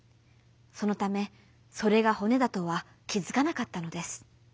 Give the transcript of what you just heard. そのためそれがほねだとはきづかなかったのです。